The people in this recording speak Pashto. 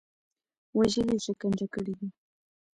وژلي او شکنجه کړي دي.